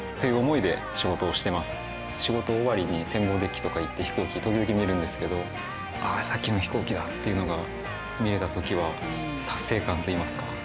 仕事終わりに展望デッキとか行って飛行機時々見るんですけど「ああさっきの飛行機だ」っていうのが見られた時は達成感といいますか。